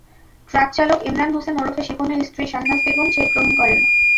ট্রাকচালক এমরান হোসেন ওরফে শিপনের স্ত্রী শাহনাজ বেগম চেক গ্রহণ করেন।